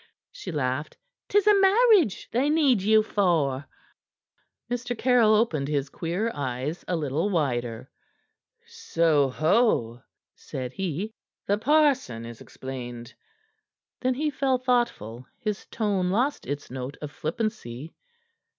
she laughed. "'Tis a marriage they need you for." Mr. Caryll opened his queer eyes a little wider. "Soho!" said he. "The parson is explained." Then he fell thoughtful, his tone lost its note of flippancy.